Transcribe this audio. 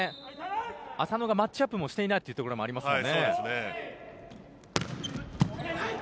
麻野がマッチアップもしていないということもありますよね。